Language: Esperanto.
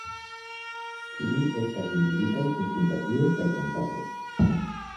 Ĉiuj estas bildigitaj kun simpatio kaj kompato.